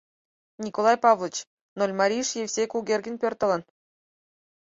— Николай Павлыч, Нольмарийыш Евсей Кугергин пӧртылын.